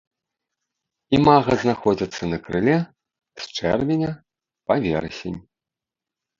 Імага знаходзяцца на крыле з чэрвеня па верасень.